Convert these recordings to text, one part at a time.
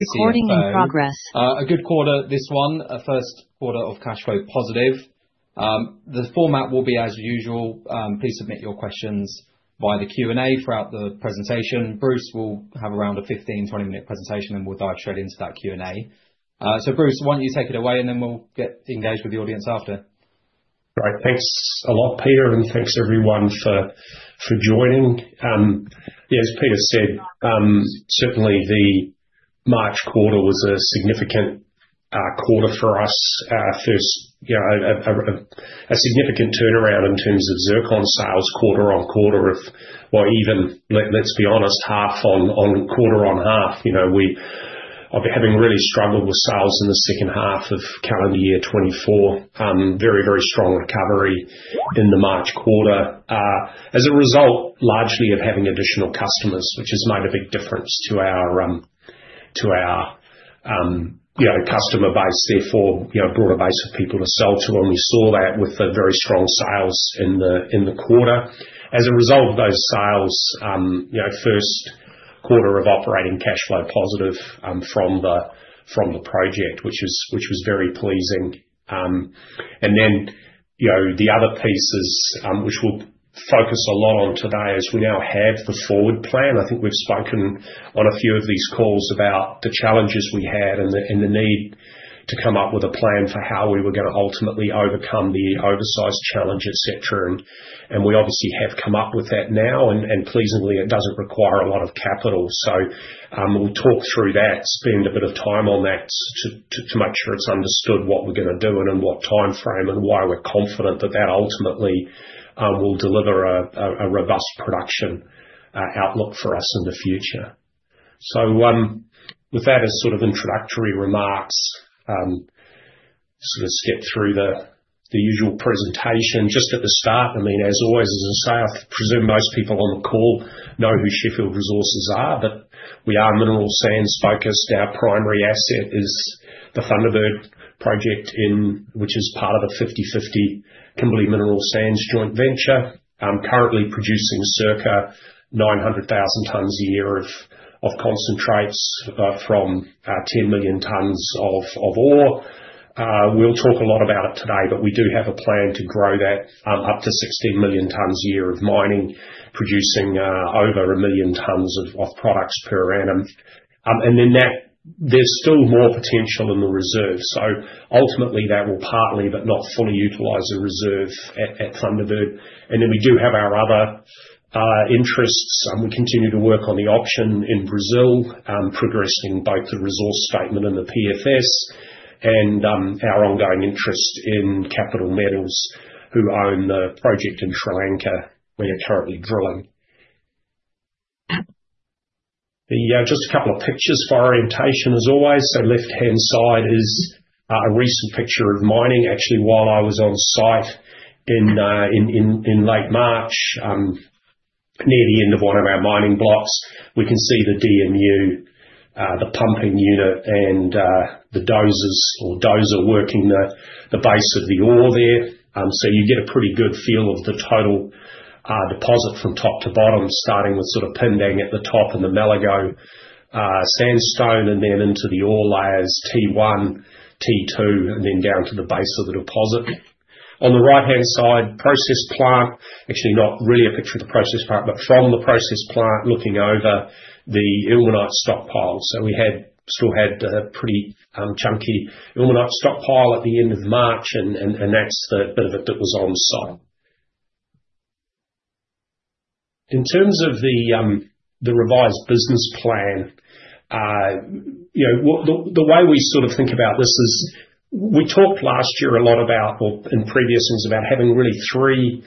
Recording in progress. A good quarter, this one. First quarter of cash flow positive. The format will be as usual. Please submit your questions via the Q&A throughout the presentation. Bruce will have around a 15, 20-minute presentation, and we'll dive straight into that Q&A. Bruce, why don't you take it away, and then we'll get engaged with the audience after. Right. Thanks a lot, Peter, and thanks everyone for joining. Yeah, as Peter said, certainly the March quarter was a significant quarter for us. First, a significant turnaround in terms of zircon sales quarter on quarter of, well, even, let's be honest, half on quarter on half. We're having really struggled with sales in the second half of calendar year 2024. Very, very strong recovery in the March quarter. As a result, largely of having additional customers, which has made a big difference to our customer base, therefore brought a base of people to sell to. We saw that with the very strong sales in the quarter. As a result of those sales, first quarter of operating cash flow positive from the project, which was very pleasing. The other pieces, which we'll focus a lot on today, is we now have the forward plan. I think we've spoken on a few of these calls about the challenges we had and the need to come up with a plan for how we were going to ultimately overcome the oversize challenge, etc. We obviously have come up with that now, and pleasingly, it doesn't require a lot of capital. We will talk through that, spend a bit of time on that to make sure it's understood what we're going to do and in what timeframe and why we're confident that that ultimately will deliver a robust production outlook for us in the future. With that as sort of introductory remarks, I will step through the usual presentation. Just at the start, I mean, as always, as I say, I presume most people on the call know who Sheffield Resources are, but we are mineral sands focused. Our primary asset is the Thunderbird project, which is part of a 50/50 Kimberley Mineral Sands joint venture, currently producing circa 900,000 tons a year of concentrates from 10 million tons of ore. We will talk a lot about it today, but we do have a plan to grow that up to 16 million tons a year of mining, producing over a million tons of products per annum. There is still more potential in the reserve. Ultimately, that will partly, but not fully utilize a reserve at Thunderbird. We do have our other interests. We continue to work on the option in Brazil, progressing both the resource statement and the PFS, and our ongoing interest in Capital Metals, who own the project in Sri Lanka where you are currently drilling. Just a couple of pictures for orientation, as always. Left-hand side is a recent picture of mining, actually, while I was on site in late March, near the end of one of our mining blocks. We can see the DMU, the pumping unit, and the dozers or dozer working the base of the ore there. You get a pretty good feel of the total deposit from top to bottom, starting with sort of pindang at the top and the Malago sandstone, and then into the ore layers, T1, T2, and then down to the base of the deposit. On the right-hand side, process plant, actually not really a picture of the process plant, but from the process plant looking over the ilmenite stockpile. We still had a pretty chunky ilmenite stockpile at the end of March, and that's the bit of it that was on site. In terms of the revised business plan, the way we sort of think about this is we talked last year a lot about, or in previous things, about having really three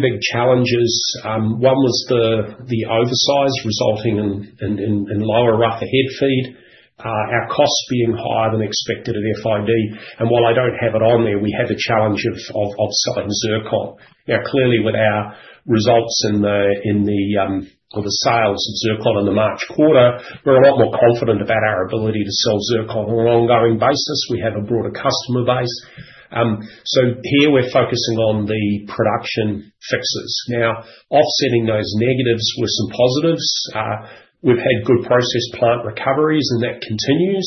big challenges. One was the oversize resulting in lower rough head feed, our costs being higher than expected at FID. While I do not have it on there, we have a challenge of selling zircon. Now, clearly, with our results in the or the sales of zircon in the March quarter, we are a lot more confident about our ability to sell zircon on an ongoing basis. We have a broader customer base. Here, we are focusing on the production fixes. Offsetting those negatives with some positives, we have had good process plant recoveries, and that continues.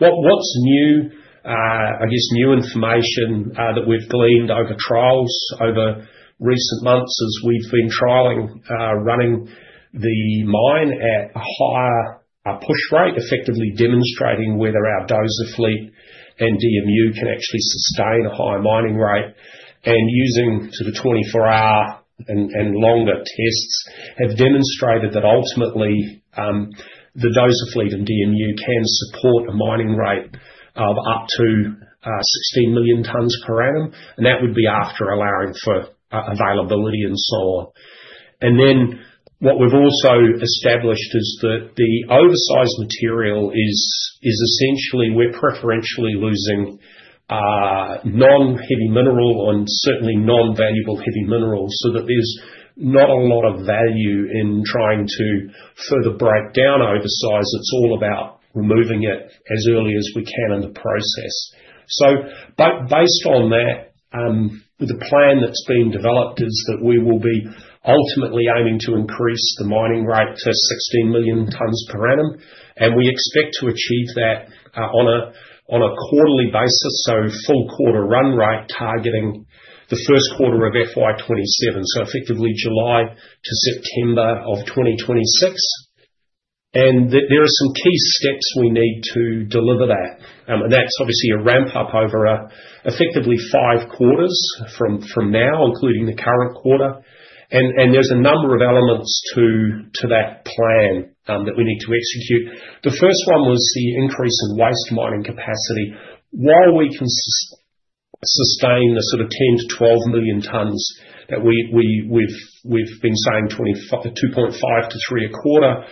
What's new, I guess, new information that we've gleaned over trials over recent months as we've been trialing running the mine at a higher push rate, effectively demonstrating whether our dozer fleet and DMU can actually sustain a high mining rate. Using sort of 24-hour and longer tests have demonstrated that ultimately, the dozer fleet and DMU can support a mining rate of up to 16 million tons per annum. That would be after allowing for availability and so on. What we've also established is that the oversize material is essentially we're preferentially losing non-heavy mineral and certainly non-valuable heavy minerals so that there's not a lot of value in trying to further break down oversize. It's all about removing it as early as we can in the process. Based on that, the plan that's been developed is that we will be ultimately aiming to increase the mining rate to 16 million tons per annum. We expect to achieve that on a quarterly basis, so full quarter run rate targeting the first quarter of FY 2027, so effectively July to September of 2026. There are some key steps we need to deliver that. That's obviously a ramp-up over effectively five quarters from now, including the current quarter. There are a number of elements to that plan that we need to execute. The first one was the increase in waste mining capacity. While we can sustain the sort of 10-12 million tons that we've been saying, 2.5-3 a quarter,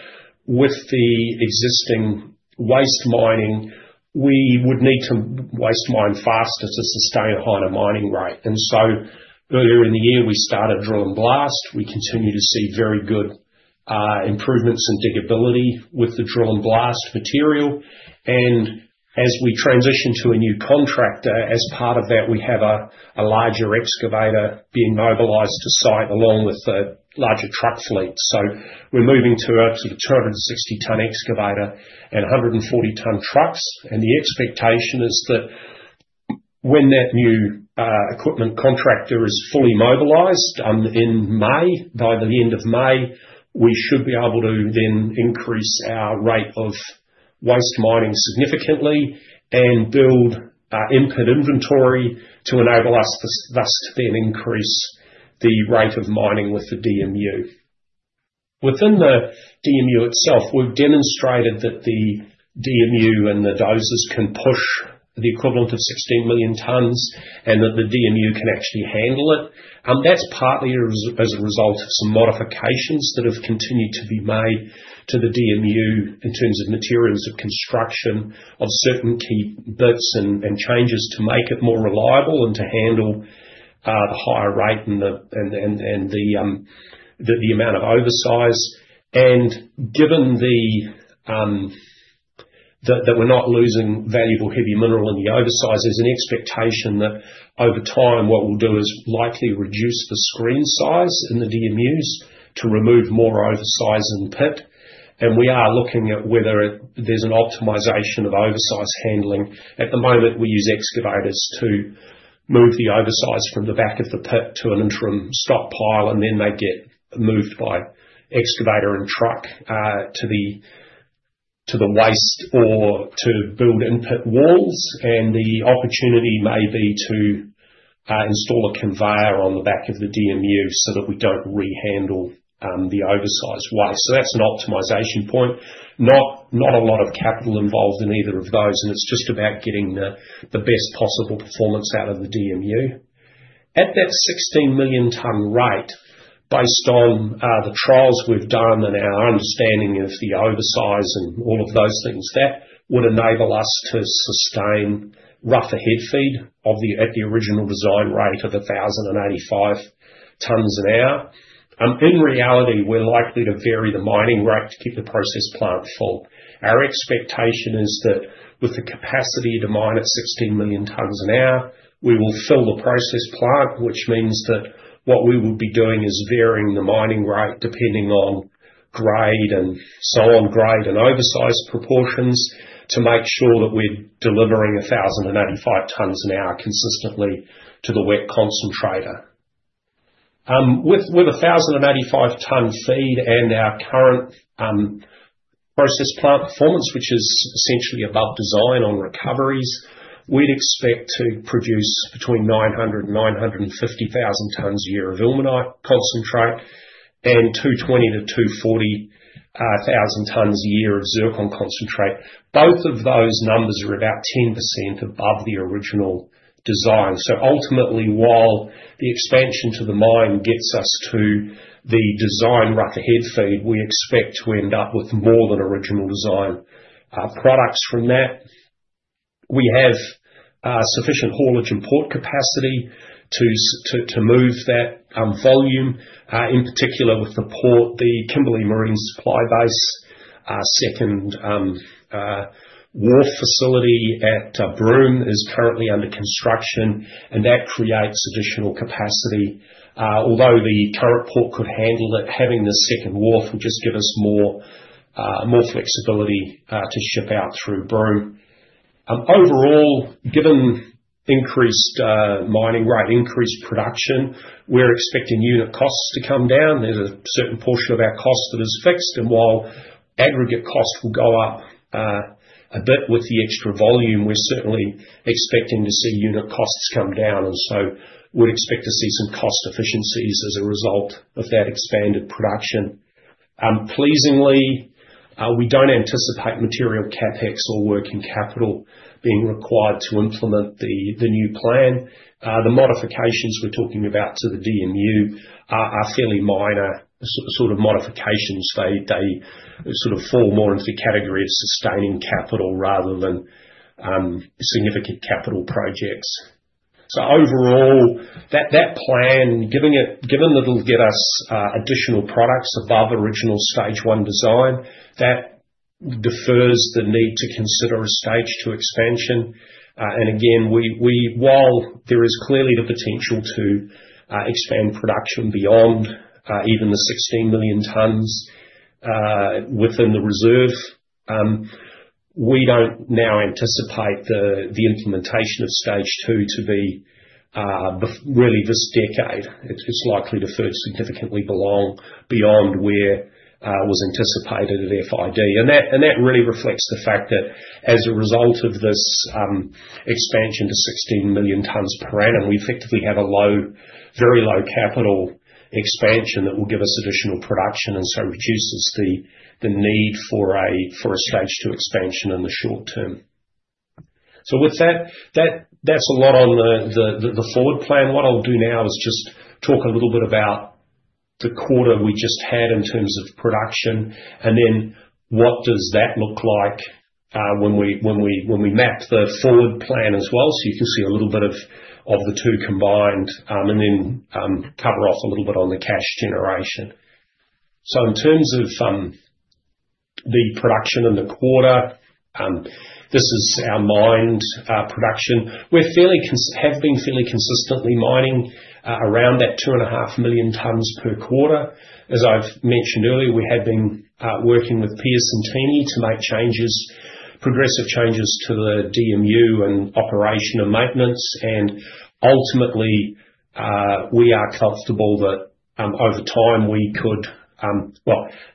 with the existing waste mining, we would need to waste mine faster to sustain a higher mining rate. Earlier in the year, we started drill and blast. We continue to see very good improvements in diggability with the drill and blast material. As we transition to a new contractor, as part of that, we have a larger excavator being mobilized to site along with the larger truck fleet. We are moving to a sort of 260-ton excavator and 140-ton trucks. The expectation is that when that new equipment contractor is fully mobilized in May, by the end of May, we should be able to then increase our rate of waste mining significantly and build input inventory to enable us thus to then increase the rate of mining with the DMU. Within the DMU itself, we have demonstrated that the DMU and the dozers can push the equivalent of 16 million tons and that the DMU can actually handle it. That's partly as a result of some modifications that have continued to be made to the DMU in terms of materials of construction of certain key bits and changes to make it more reliable and to handle the higher rate and the amount of oversize. Given that we're not losing valuable heavy mineral in the oversize, there's an expectation that over time, what we'll do is likely reduce the screen size in the DMUs to remove more oversize in pit. We are looking at whether there's an optimization of oversize handling. At the moment, we use excavators to move the oversize from the back of the pit to an interim stockpile, and then they get moved by excavator and truck to the waste or to build input walls. The opportunity may be to install a conveyor on the back of the DMU so that we do not re-handle the oversize waste. That is an optimization point. Not a lot of capital involved in either of those, and it is just about getting the best possible performance out of the DMU. At that 16 million-ton rate, based on the trials we have done and our understanding of the oversize and all of those things, that would enable us to sustain rough head feed at the original design rate of 1,085 tons an hour. In reality, we are likely to vary the mining rate to keep the process plant full. Our expectation is that with the capacity to mine at 16 million tons an hour, we will fill the process plant, which means that what we would be doing is varying the mining rate depending on grade and so on, grade and oversize proportions to make sure that we're delivering 1,085 tons an hour consistently to the wet concentrator. With 1,085-ton feed and our current process plant performance, which is essentially above design on recoveries, we'd expect to produce between 900,000 and 950,000 tons a year of ilmenite concentrate and 220,000 to 240,000 tons a year of zircon concentrate. Both of those numbers are about 10% above the original design. Ultimately, while the expansion to the mine gets us to the design rough head feed, we expect to end up with more than original design products from that. We have sufficient haulage and port capacity to move that volume, in particular with the port. The Kimberley Marine Supply Base, second wharf facility at Broome, is currently under construction, and that creates additional capacity. Although the current port could handle it, having the second wharf would just give us more flexibility to ship out through Broome. Overall, given increased mining rate, increased production, we're expecting unit costs to come down. There is a certain portion of our cost that is fixed. While aggregate cost will go up a bit with the extra volume, we're certainly expecting to see unit costs come down. We would expect to see some cost efficiencies as a result of that expanded production. Pleasingly, we do not anticipate material CapEx or working capital being required to implement the new plan. The modifications we are talking about to the DMU are fairly minor sort of modifications. They sort of fall more into the category of sustaining capital rather than significant capital projects. Overall, that plan, given that it'll get us additional products above original stage one design, defers the need to consider a stage two expansion. Again, while there is clearly the potential to expand production beyond even the 16 million tons within the reserve, we don't now anticipate the implementation of stage two to be really this decade. It's likely to significantly belong beyond where it was anticipated at FID. That really reflects the fact that as a result of this expansion to 16 million tons per annum, we effectively have a very low capital expansion that will give us additional production and so reduces the need for a stage two expansion in the short term. With that, that's a lot on the forward plan. What I'll do now is just talk a little bit about the quarter we just had in terms of production, and then what does that look like when we map the forward plan as well so you can see a little bit of the two combined and then cover off a little bit on the cash generation. In terms of the production in the quarter, this is our mined production. We have been fairly consistently mining around that 2.5 million tons per quarter. As I've mentioned earlier, we have been working with Pierce and Tini to make progressive changes to the DMU and operation and maintenance. Ultimately, we are comfortable that over time, we could,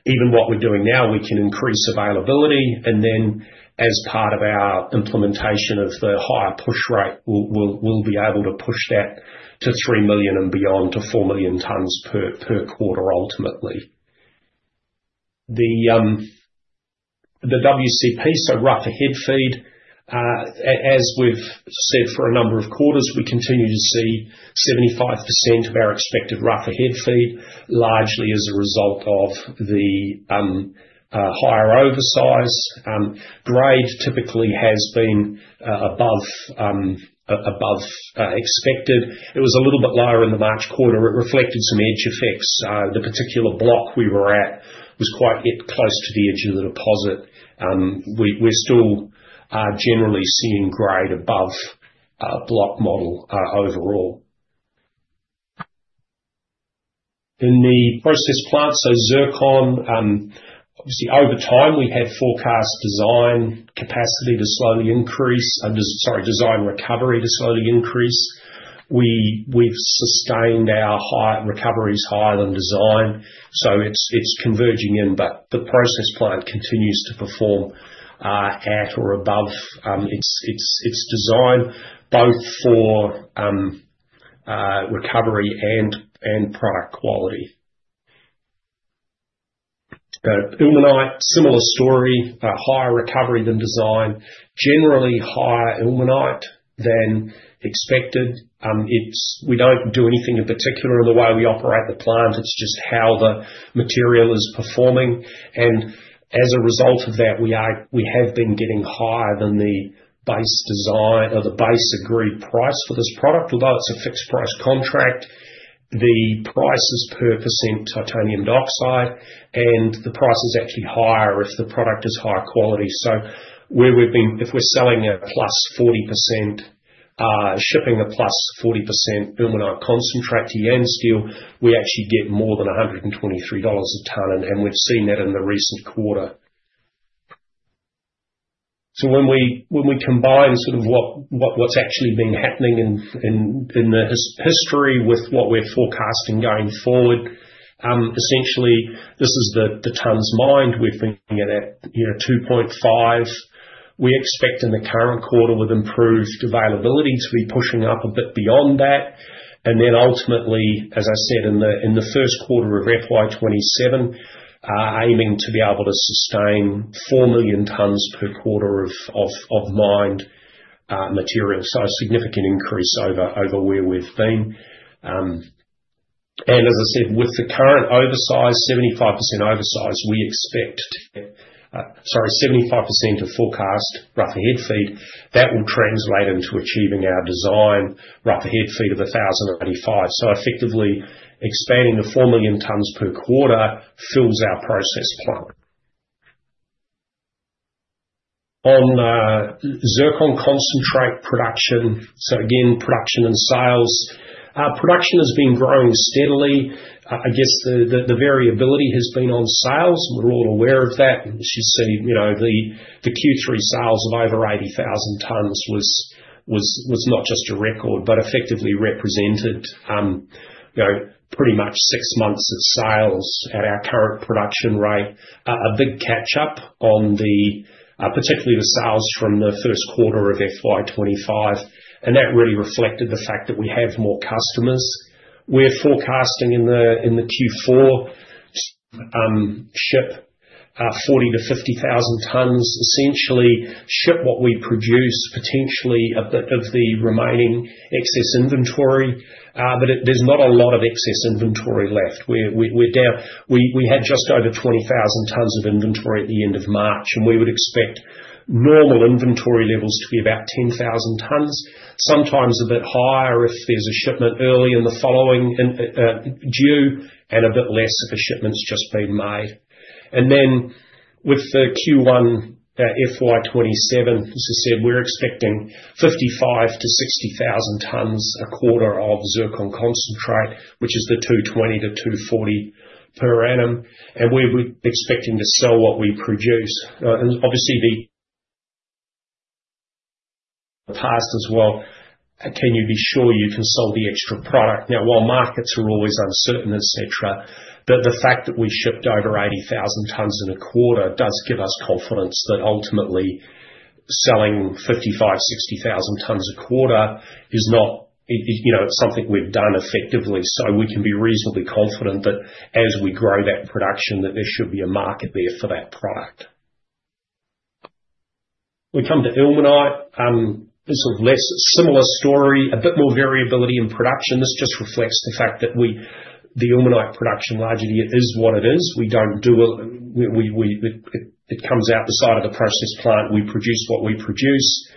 even what we're doing now, we can increase availability. As part of our implementation of the higher push rate, we'll be able to push that to three million and beyond to four million tons per quarter ultimately. The WCP, so rough head feed, as we've said for a number of quarters, we continue to see 75% of our expected rough head feed largely as a result of the higher oversize. Grade typically has been above expected. It was a little bit lower in the March quarter. It reflected some edge effects. The particular block we were at was quite close to the edge of the deposit. We're still generally seeing grade above block model overall. In the process plant, so zircon, obviously over time, we've had forecast design capacity to slowly increase, sorry, design recovery to slowly increase. We've sustained our recoveries higher than design, so it's converging in, but the process plant continues to perform at or above its design, both for recovery and product quality. Ilmenite, similar story, higher recovery than design, generally higher ilmenite than expected. We don't do anything in particular in the way we operate the plant. It's just how the material is performing. As a result of that, we have been getting higher than the base design or the base agreed price for this product. Although it's a fixed price contract, the price is per % titanium dioxide, and the price is actually higher if the product is higher quality. If we're selling a plus 40%, shipping a plus 40% ilmenite concentrate to Yansteel, we actually get more than $123 a tonne, and we've seen that in the recent quarter. When we combine sort of what's actually been happening in the history with what we're forecasting going forward, essentially, this is the tonnes mined. We're thinking at 2.5. We expect in the current quarter with improved availability to be pushing up a bit beyond that. Ultimately, as I said in the first quarter of FY2027, aiming to be able to sustain four million tons per quarter of mined material. A significant increase over where we've been. As I said, with the current oversize, 75% oversize, we expect to get, sorry, 75% of forecast rough head feed. That will translate into achieving our design rough head feed of 1,085. Effectively, expanding the four million tons per quarter fills our process plant. On zircon concentrate production, again, production and sales, production has been growing steadily. I guess the variability has been on sales, and we're all aware of that. You see the Q3 sales of over 80,000 tons was not just a record, but effectively represented pretty much six months of sales at our current production rate, a big catch-up on particularly the sales from the first quarter of FY 2025. That really reflected the fact that we have more customers. We're forecasting in the Q4 to ship 40,000-50,000 tons, essentially ship what we produce, potentially a bit of the remaining excess inventory. There is not a lot of excess inventory left. We had just over 20,000 tons of inventory at the end of March, and we would expect normal inventory levels to be about 10,000 tons, sometimes a bit higher if there is a shipment early in the following due and a bit less if a shipment's just been made. With the Q1 FY 2027, as I said, we're expecting 55,000-60,000 tons a quarter of zircon concentrate, which is the 220,000-240,000 per annum. We're expecting to sell what we produce. Obviously, in the past as well, can you be sure you can sell the extra product? Now, while markets are always uncertain, etc., the fact that we shipped over 80,000 tons in a quarter does give us confidence that ultimately selling 55,000-60,000 tons a quarter is not something we've not done effectively. We can be reasonably confident that as we grow that production, there should be a market there for that product. We come to ilmenite. This is a similar story, a bit more variability in production. This just reflects the fact that the ilmenite production largely is what it is. It comes out the side of the process plant. We produce what we produce.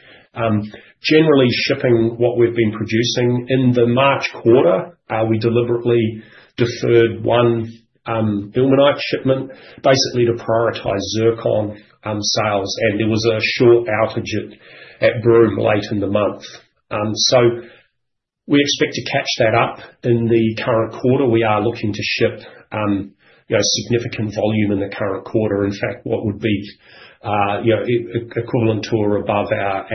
Generally, shipping what we've been producing in the March quarter, we deliberately deferred one ilmenite shipment basically to prioritize zircon sales. There was a short outage at Broome late in the month. We expect to catch that up in the current quarter. We are looking to ship significant volume in the current quarter. In fact, what would be equivalent to or above our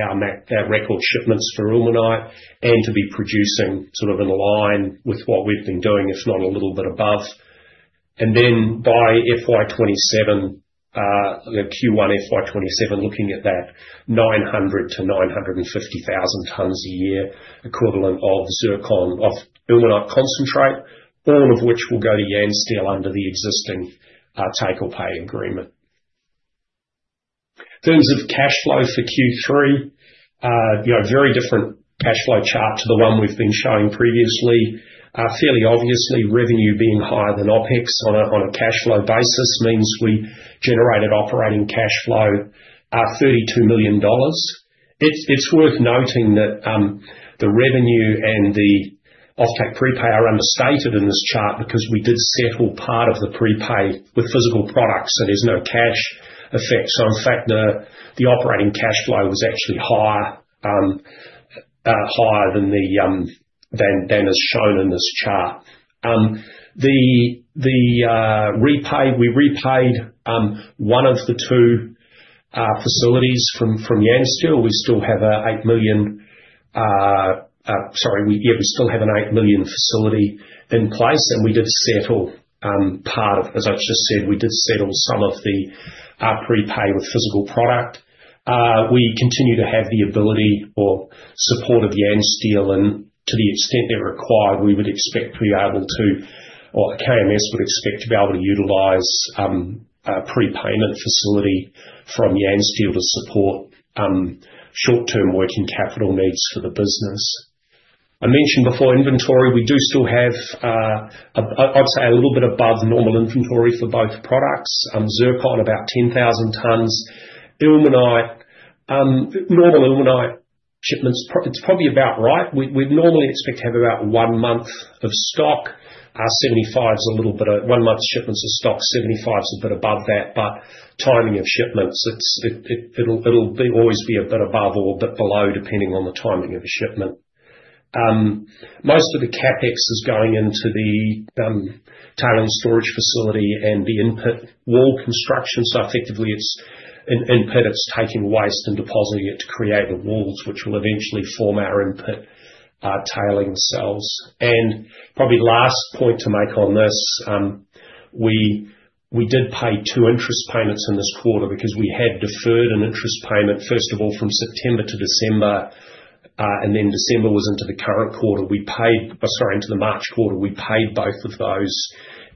record shipments for ilmenite and to be producing sort of in line with what we've been doing, if not a little bit above. By Q1 FY 2027, looking at that 900,000-950,000 tons a year equivalent of zircon, of ilmenite concentrate, all of which will go to Yansteel under the existing take-or-pay agreement. In terms of cash flow for Q3, very different cash flow chart to the one we've been showing previously. Fairly obviously, revenue being higher than OpEx on a cash flow basis means we generated operating cash flow of $32 million. It's worth noting that the revenue and the off-take prepay are understated in this chart because we did settle part of the prepay with physical products, so there's no cash effect. In fact, the operating cash flow was actually higher than is shown in this chart. We repaid one of the two facilities from Yansteel. We still have an $8 million, sorry, yeah, we still have an $8 million facility in place, and we did settle part of, as I've just said, we did settle some of the prepay with physical product. We continue to have the ability or support of Yansteel, and to the extent they're required, we would expect to be able to, or KMS would expect to be able to utilize a prepayment facility from Yansteel to support short-term working capital needs for the business. I mentioned before inventory. We do still have, I'd say, a little bit above normal inventory for both products. Zircon, about 10,000 tons. Ilmenite, normal ilmenite shipments, it's probably about right. We normally expect to have about one month of stock. 75 is a little bit of one month's shipments of stock. 75 is a bit above that, but timing of shipments, it'll always be a bit above or a bit below depending on the timing of the shipment. Most of the CapEx is going into the tailings storage facility and the input wall construction. Effectively, input, it's taking waste and depositing it to create the walls, which will eventually form our input tailing cells. Probably last point to make on this, we did pay two interest payments in this quarter because we had deferred an interest payment, first of all, from September to December, and then December was into the current quarter. We paid, sorry, into the March quarter, we paid both of those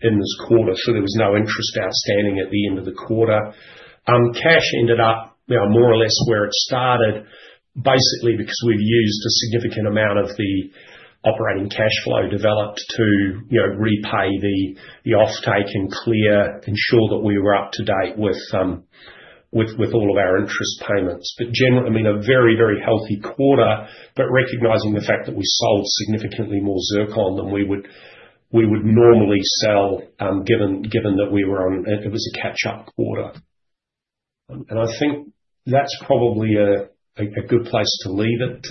in this quarter. There was no interest outstanding at the end of the quarter. Cash ended up more or less where it started, basically because we've used a significant amount of the operating cash flow developed to repay the off-take and clear, ensure that we were up to date with all of our interest payments. I mean, a very, very healthy quarter, but recognizing the fact that we sold significantly more zircon than we would normally sell given that we were on—it was a catch-up quarter. I think that's probably a good place to leave it.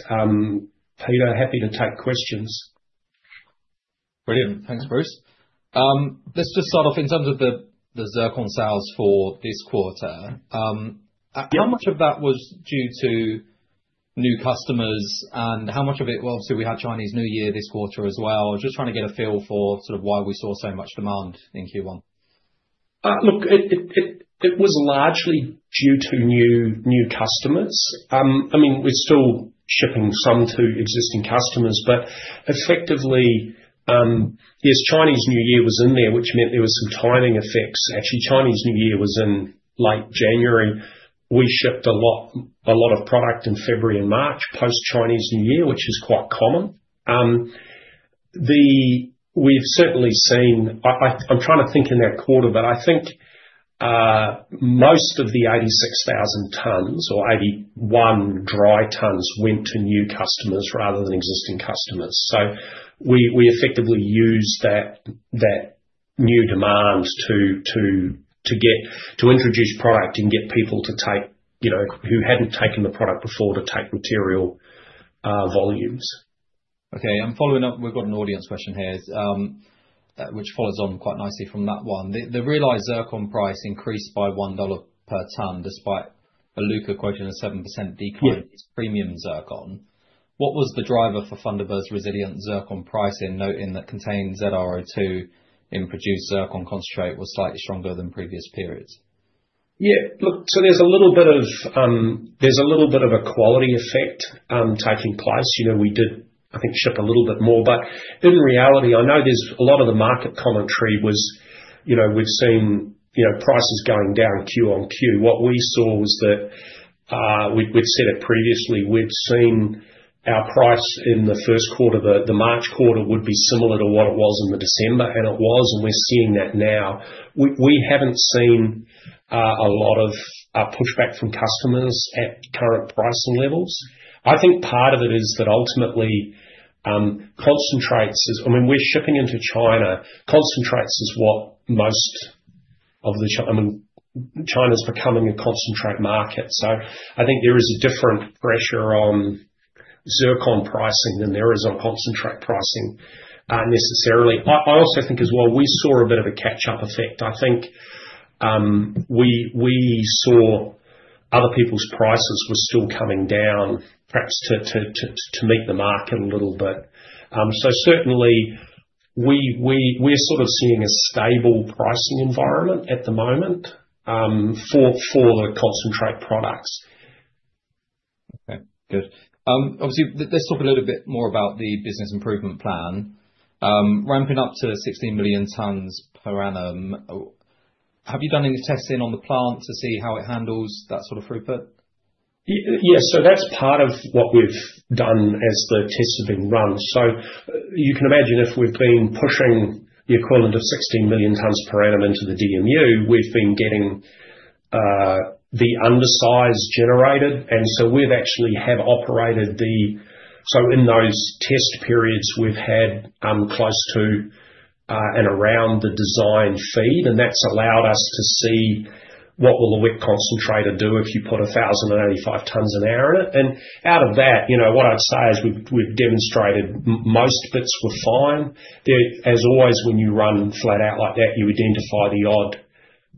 Peter, happy to take questions. Brilliant. Thanks, Bruce. Let's just sort of in terms of the zircon sales for this quarter. How much of that was due to new customers and how much of it, well, obviously, we had Chinese New Year this quarter as well. Just trying to get a feel for sort of why we saw so much demand in Q1. Look, it was largely due to new customers. I mean, we're still shipping some to existing customers, but effectively, yes, Chinese New Year was in there, which meant there were some timing effects. Actually, Chinese New Year was in late January. We shipped a lot of product in February and March post-Chinese New Year, which is quite common. We've certainly seen, I'm trying to think in that quarter, but I think most of the 86,000 tons or 81 dry tons went to new customers rather than existing customers. We effectively used that new demand to introduce product and get people to take who hadn't taken the product before to take material volumes. Okay. I'm following up. We've got an audience question here, which follows on quite nicely from that one. They realize zircon price increased by $1 per ton despite Iluka quoting a 7% decrease in premium zircon. What was the driver for Thunderbird's resilient zircon pricing, noting that contained ZrO2 in produced zircon concentrate was slightly stronger than previous periods? Yeah. Look, so there's a little bit of a quality effect taking place. We did, I think, ship a little bit more, but in reality, I know there's a lot of the market commentary was we've seen prices going down Q-on-Q. What we saw was that we'd said it previously. We'd seen our price in the first quarter, the March quarter, would be similar to what it was in the December, and it was, and we're seeing that now. We haven't seen a lot of pushback from customers at current pricing levels. I think part of it is that ultimately concentrates is, I mean, we're shipping into China. Concentrates is what most of the, I mean, China's becoming a concentrate market. So I think there is a different pressure on zircon pricing than there is on concentrate pricing necessarily. I also think as well, we saw a bit of a catch-up effect. I think we saw other people's prices were still coming down, perhaps to meet the market a little bit. Certainly, we're sort of seeing a stable pricing environment at the moment for the concentrate products. Okay. Good. Obviously, let's talk a little bit more about the business improvement plan. Ramping up to 16 million tons per annum. Have you done any testing on the plant to see how it handles that sort of throughput? Yeah. That's part of what we've done as the tests have been run. You can imagine if we've been pushing the equivalent of 16 million tons per annum into the DMU, we've been getting the undersize generated. We've actually operated the, so in those test periods, we've had close to and around the design feed, and that's allowed us to see what the WCP will do if you put 1,085 tons an hour in it. Out of that, what I'd say is we've demonstrated most bits were fine. As always, when you run flat out like that, you identify the odd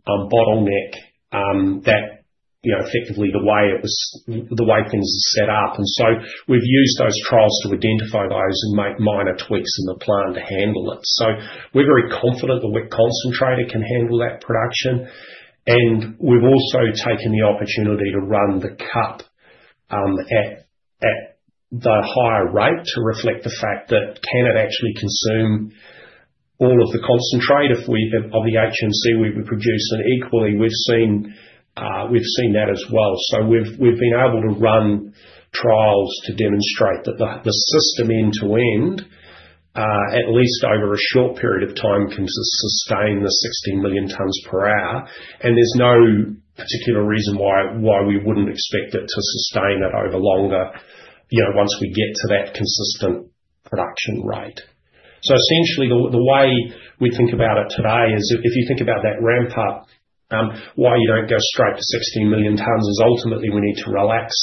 bottleneck, effectively the way things are set up. We've used those trials to identify those and make minor tweaks in the plan to handle it. We're very confident the WCP can handle that production. We have also taken the opportunity to run the cup at the higher rate to reflect the fact that it can actually consume all of the concentrate if we have all of the HMC we have produced. Equally, we have seen that as well. We have been able to run trials to demonstrate that the system end-to-end, at least over a short period of time, can sustain the 16 million tons per hour. There is no particular reason why we would not expect it to sustain it over longer once we get to that consistent production rate. Essentially, the way we think about it today is if you think about that ramp-up, why you do not go straight to 16 million tons is ultimately we need to relax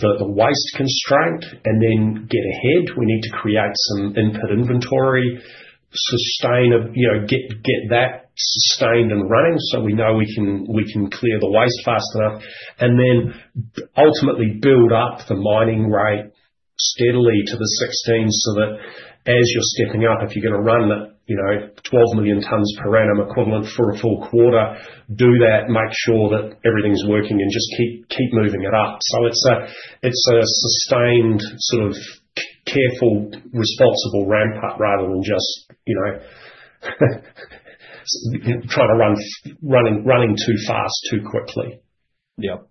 the waste constraint and then get ahead. We need to create some input inventory, get that sustained and running so we know we can clear the waste fast enough, and then ultimately build up the mining rate steadily to the 16 so that as you're stepping up, if you're going to run the 12 million tons per annum equivalent for a full quarter, do that, make sure that everything's working, and just keep moving it up. It is a sustained sort of careful, responsible ramp-up rather than just trying to running too fast, too quickly. Yep.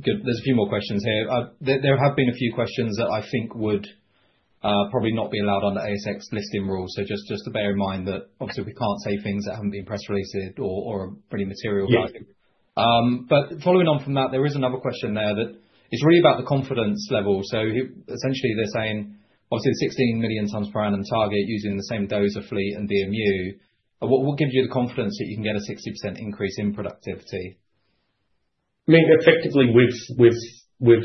Good. There are a few more questions here. There have been a few questions that I think would probably not be allowed under ASX listing rules. Just bear in mind that obviously we can't say things that haven't been press releases or are pretty materializing. Following on from that, there is another question there that is really about the confidence level. Essentially, they're saying, obviously, the 16 million tons per annum target using the same dose of fleet and DMU, what gives you the confidence that you can get a 60% increase in productivity? I mean, effectively, we've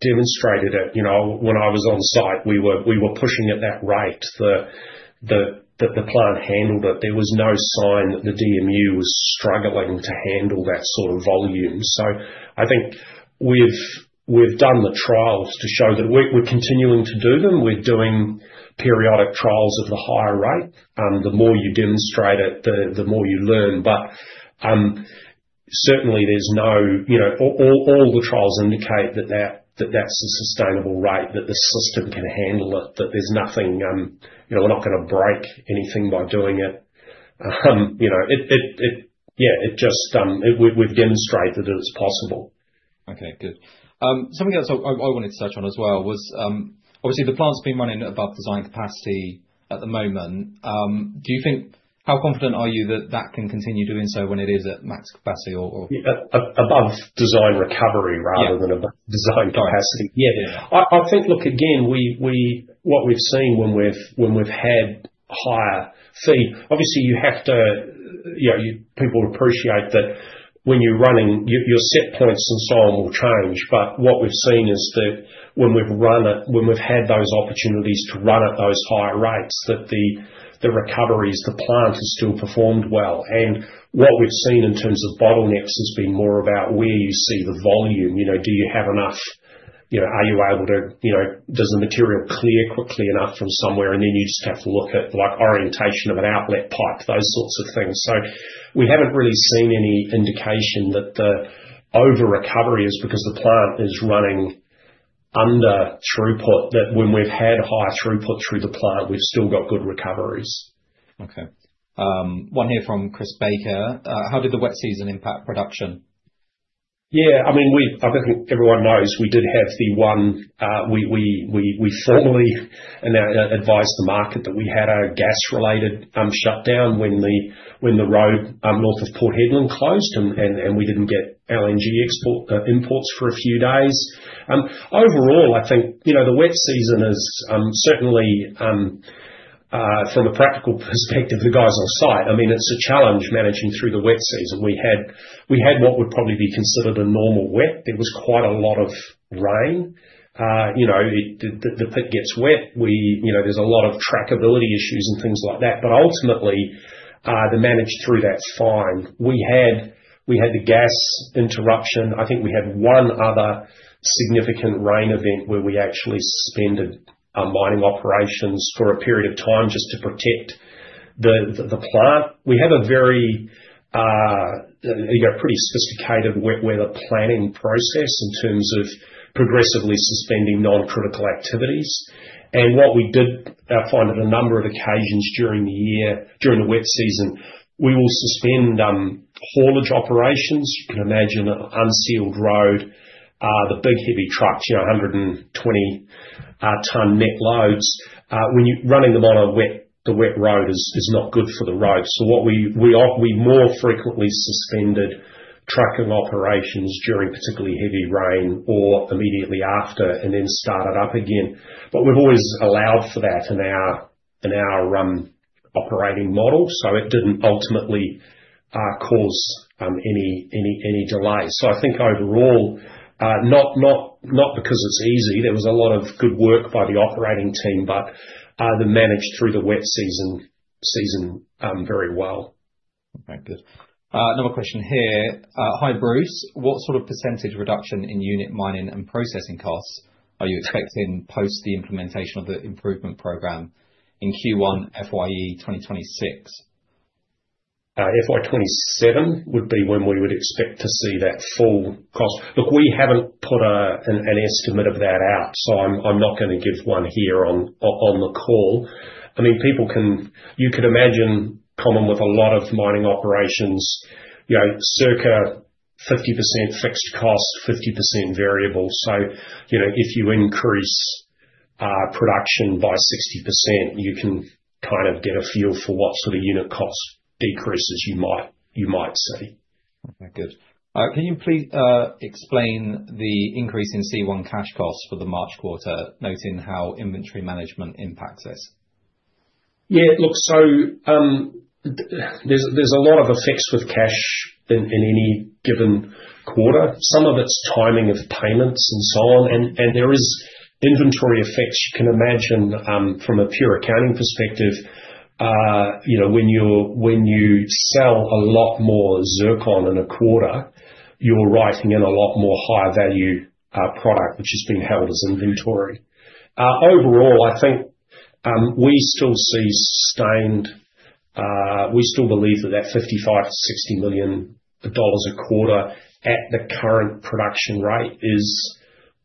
demonstrated it. When I was on site, we were pushing at that rate. The plant handled it. There was no sign that the DMU was struggling to handle that sort of volume. I think we've done the trials to show that we're continuing to do them. We're doing periodic trials of the higher rate. The more you demonstrate it, the more you learn. Certainly, all the trials indicate that that's a sustainable rate, that the system can handle it, that there's nothing, we're not going to break anything by doing it. Yeah, we've demonstrated that it's possible. Okay. Good. Something else I wanted to touch on as well was, obviously, the plant's been running above design capacity at the moment. Do you think, how confident are you that that can continue doing so when it is at max capacity? Above design recovery rather than above design capacity. Yeah. I think, look, again, what we've seen when we've had higher feed, obviously, you have to appreciate that when you're running, your set points and so on will change. What we've seen is that when we've run it, when we've had those opportunities to run at those higher rates, the recovery is, the plant has still performed well. What we've seen in terms of bottlenecks has been more about where you see the volume. Do you have enough? Are you able to, does the material clear quickly enough from somewhere? You just have to look at orientation of an outlet pipe, those sorts of things. We have not really seen any indication that the over-recovery is because the plant is running under throughput, that when we have had high throughput through the plant, we have still got good recoveries. Okay. One here from Chris Baker. How did the wet season impact production? Yeah. I mean, I think everyone knows we did have the one we formally advised the market that we had a gas-related shutdown when the road north of Port Hedland closed, and we did not get LNG imports for a few days. Overall, I think the wet season is certainly, from a practical perspective, the guys on site. I mean, it is a challenge managing through the wet season. We had what would probably be considered a normal wet. There was quite a lot of rain. The pit gets wet. There is a lot of trackability issues and things like that. Ultimately, they managed through that fine. We had the gas interruption. I think we had one other significant rain event where we actually suspended mining operations for a period of time just to protect the plant. We have a very pretty sophisticated weather planning process in terms of progressively suspending non-critical activities. What we did find at a number of occasions during the wet season, we will suspend haulage operations. You can imagine an unsealed road, the big heavy trucks, 120-ton net loads. Running them on the wet road is not good for the road. We more frequently suspended trucking operations during particularly heavy rain or immediately after and then started up again. We have always allowed for that in our operating model, so it did not ultimately cause any delay. I think overall, not because it is easy. There was a lot of good work by the operating team, but they managed through the wet season very well. Okay. Good. Another question here. Hi, Bruce. What sort of percentage reduction in unit mining and processing costs are you expecting post the implementation of the improvement program in Q1 FYE 2026? FY 2027 would be when we would expect to see that full cost. Look, we haven't put an estimate of that out, so I'm not going to give one here on the call. I mean, you could imagine common with a lot of mining operations, circa 50% fixed cost, 50% variable. If you increase production by 60%, you can kind of get a feel for what sort of unit cost decreases you might see. Okay. Good. Can you please explain the increase in C1 cash costs for the March quarter, noting how inventory management impacts this? Yeah. Look, there's a lot of effects with cash in any given quarter. Some of it's timing of payments and so on. There are inventory effects. You can imagine from a pure accounting perspective, when you sell a lot more zircon in a quarter, you're writing in a lot more high-value product, which is being held as inventory. Overall, I think we still see sustained, we still believe that that $55 million-$60 million a quarter at the current production rate is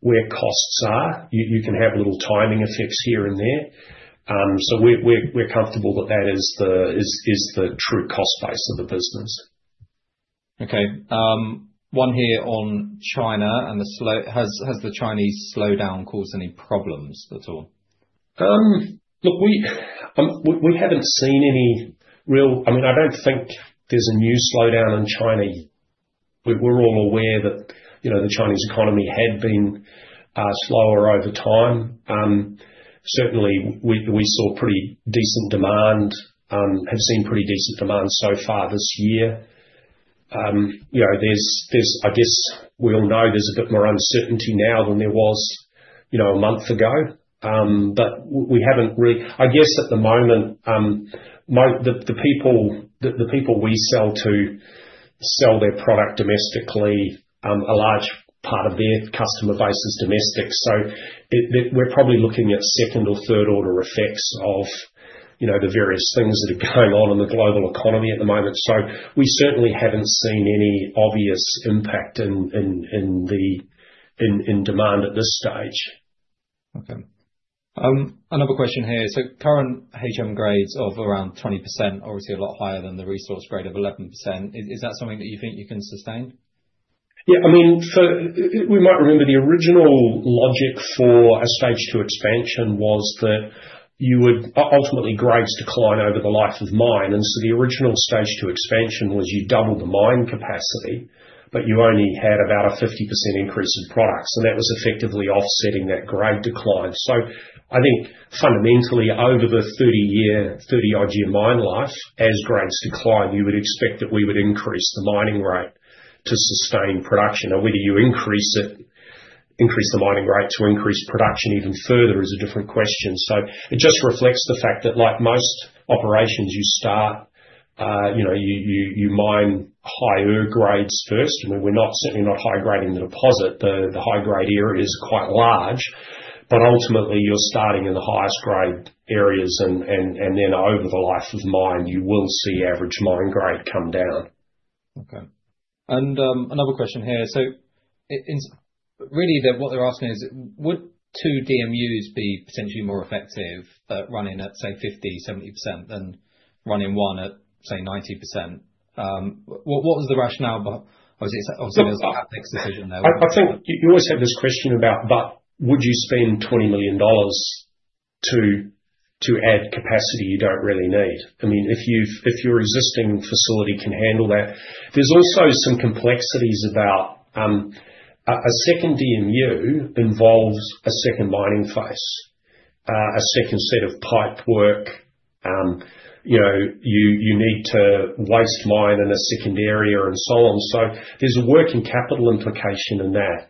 where costs are. You can have little timing effects here and there. We're comfortable that that is the true cost base of the business. Okay. One here on China. Has the Chinese slowdown caused any problems at all? Look, we haven't seen any real, I mean, I don't think there's a new slowdown in China. We're all aware that the Chinese economy had been slower over time. Certainly, we saw pretty decent demand, have seen pretty decent demand so far this year. I guess we all know there's a bit more uncertainty now than there was a month ago. We haven't really, I guess at the moment, the people we sell to sell their product domestically, a large part of their customer base is domestic. We're probably looking at second or third-order effects of the various things that are going on in the global economy at the moment. We certainly haven't seen any obvious impact in demand at this stage. Okay. Another question here. Current HM grades of around 20%, obviously a lot higher than the resource grade of 11%. Is that something that you think you can sustain? Yeah. I mean, we might remember the original logic for a stage two expansion was that ultimately, grades decline over the life of mine. The original stage two expansion was you double the mine capacity, but you only had about a 50% increase in products. That was effectively offsetting that grade decline. I think fundamentally, over the 30-year mine life, as grades decline, you would expect that we would increase the mining rate to sustain production. Now, whether you increase the mining rate to increase production even further is a different question. It just reflects the fact that like most operations, you start, you mine higher grades first. I mean, we're certainly not high-grading the deposit. The high-grade area is quite large. Ultimately, you're starting in the highest-grade areas. Over the life of mine, you will see average mine grade come down. Okay. Another question here. What they're asking is, would two DMUs be potentially more effective running at, say, 50%-70% than running one at, say, 90%? What was the rationale behind? Obviously, there was a complex decision there. I think you always have this question about, would you spend $20 million to add capacity you don't really need? I mean, if your existing facility can handle that. There's also some complexities about a second DMU involves a second mining face, a second set of pipe work. You need to waste mine in a second area and so on. There is a working capital implication in that.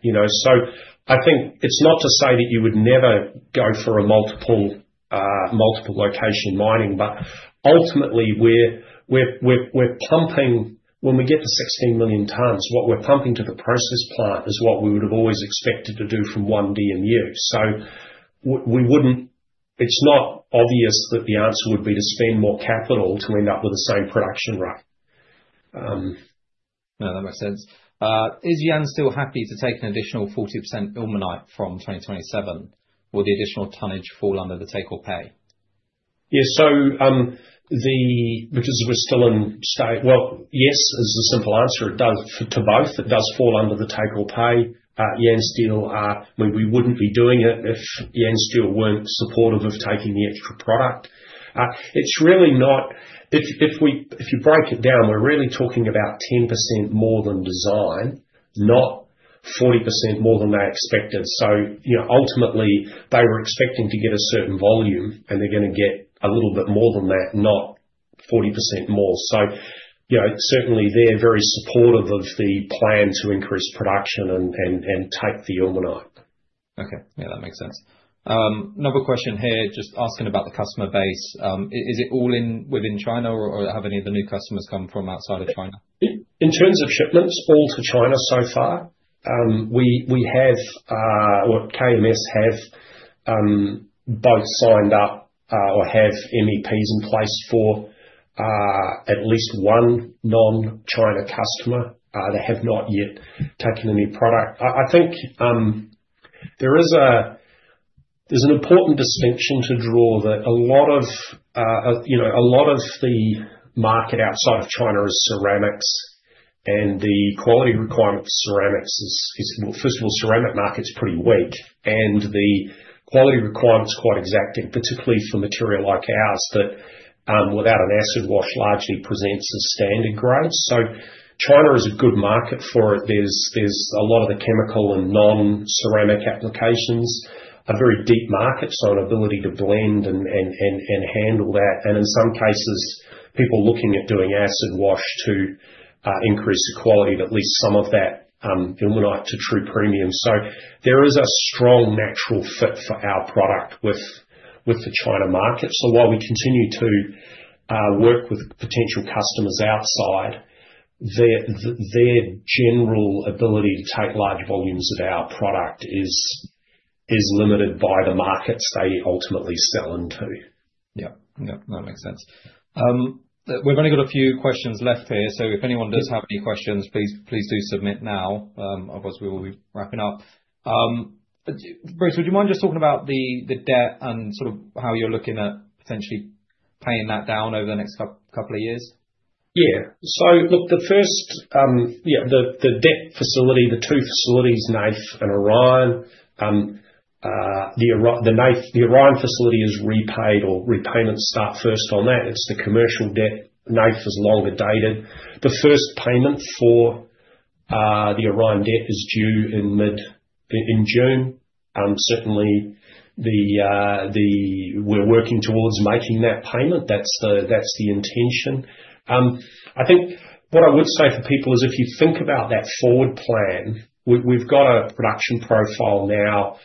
I think it's not to say that you would never go for a multiple location mining. Ultimately, when we get to 16 million tons, what we're pumping to the process plant is what we would have always expected to do from one DMU. It is not obvious that the answer would be to spend more capital to end up with the same production rate. No, that makes sense. Is Yansteel still happy to take an additional 40% ilmenite from 2027? Will the additional tonnage fall under the take-or-pay? Yeah. Because we're still in, yes is the simple answer. It does to both. It does fall under the take-or-pay. Yansteel, we wouldn't be doing it if Yansteel weren't supportive of taking the extra product. It's really not, if you break it down, we're really talking about 10% more than design, not 40% more than they expected. Ultimately, they were expecting to get a certain volume, and they're going to get a little bit more than that, not 40% more. Certainly, they're very supportive of the plan to increase production and take the ilmenite. Okay. Yeah, that makes sense. Another question here, just asking about the customer base. Is it all within China, or have any of the new customers come from outside of China? In terms of shipments all to China so far, we have, or KMS have both signed up or have MEPs in place for at least one non-China customer. They have not yet taken any product. I think there is an important distinction to draw that a lot of the market outside of China is ceramics. The quality requirement for ceramics is, first of all, the ceramic market's pretty weak. The quality requirement's quite exacting, particularly for material like ours that without an acid wash largely presents as standard grades. China is a good market for it. There are a lot of the chemical and non-ceramic applications. A very deep market, an ability to blend and handle that. In some cases, people are looking at doing acid wash to increase the quality of at least some of that ilmenite to true premium. There is a strong natural fit for our product with the China market. While we continue to work with potential customers outside, their general ability to take large volumes of our product is limited by the markets they ultimately sell into. Yep. Yep. That makes sense. We've only got a few questions left here. If anyone does have any questions, please do submit now. Otherwise, we will be wrapping up. Bruce, would you mind just talking about the debt and sort of how you're looking at potentially paying that down over the next couple of years? Yeah. So look, the first, yeah, the debt facility, the two facilities, NAIF and Orion. The Orion facility is repaid or repayments start first on that. It's the commercial debt. NAIF is longer dated. The first payment for the Orion debt is due in June. Certainly, we're working towards making that payment. That's the intention. I think what I would say for people is if you think about that forward plan, we've got a production profile now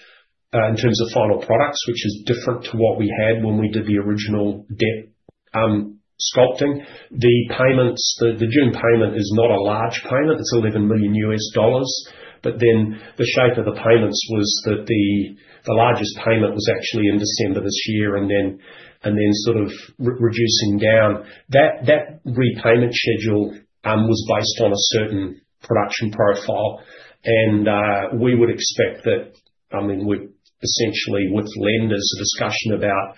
in terms of final products, which is different to what we had when we did the original debt sculpting. The June payment is not a large payment. It's $11 million. But then the shape of the payments was that the largest payment was actually in December this year and then sort of reducing down. That repayment schedule was based on a certain production profile. We would expect that, I mean, we're essentially with lenders, a discussion about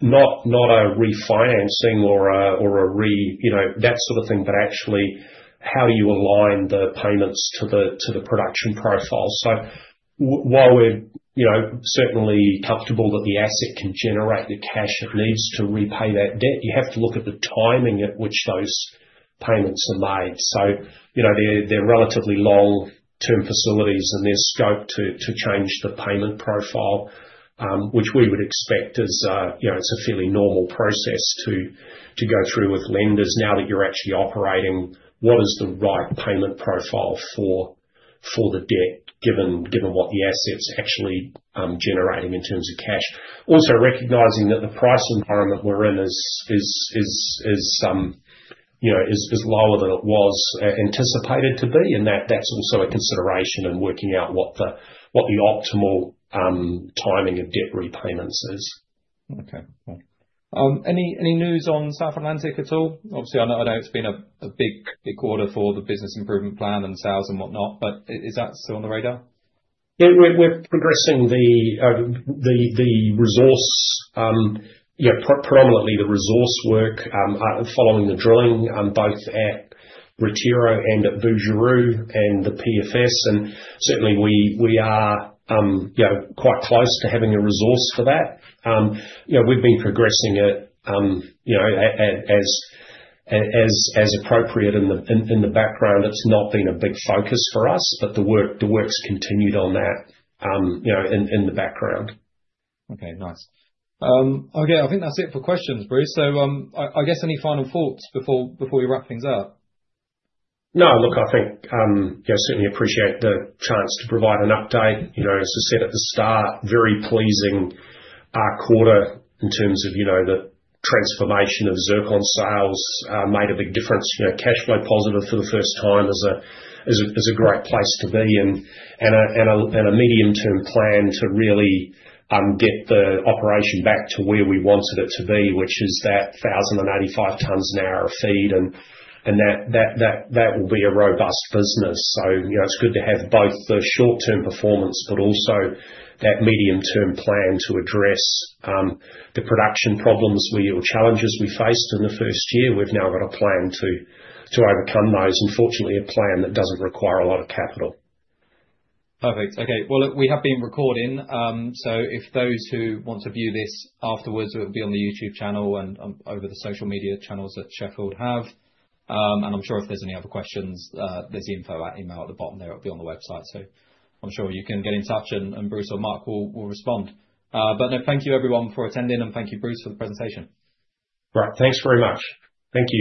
not a refinancing or a re that sort of thing, but actually how do you align the payments to the production profile. While we're certainly comfortable that the asset can generate the cash it needs to repay that debt, you have to look at the timing at which those payments are made. They're relatively long-term facilities, and there's scope to change the payment profile, which we would expect is a fairly normal process to go through with lenders. Now that you're actually operating, what is the right payment profile for the debt given what the asset's actually generating in terms of cash? Also recognizing that the price environment we're in is lower than it was anticipated to be. That's also a consideration in working out what the optimal timing of debt repayments is. Okay. Any news on South Atlantic at all? Obviously, I know it's been a big order for the business improvement plan and sales and whatnot, but is that still on the radar? Yeah. We're progressing the resource, predominantly the resource work following the drilling both at Retiro and at Boujroux and the PFS. Certainly, we are quite close to having a resource for that. We've been progressing it as appropriate in the background. It's not been a big focus for us, but the work's continued on that in the background. Okay. Nice. Okay. I think that's it for questions, Bruce. I guess any final thoughts before we wrap things up? No. Look, I think I certainly appreciate the chance to provide an update. As I said at the start, very pleasing quarter in terms of the transformation of zircon sales made a big difference. Cash flow positive for the first time is a great place to be. A medium-term plan to really get the operation back to where we wanted it to be, which is that 1,085 tons an hour of feed. That will be a robust business. It is good to have both the short-term performance, but also that medium-term plan to address the production problems or challenges we faced in the first year. We have now got a plan to overcome those. Fortunately, a plan that does not require a lot of capital. Perfect. Okay. We have been recording. Those who want to view this afterwards will be on the YouTube channel and over the social media channels that Sheffield have. I'm sure if there are any other questions, there's the info at email at the bottom there. It will be on the website. I'm sure you can get in touch, and Bruce or Mark will respond. Thank you, everyone, for attending. Thank you, Bruce, for the presentation. Right. Thanks very much. Thank you.